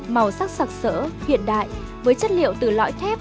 màu sắc sạc sỡ hiện đại với chất liệu từ lõi thép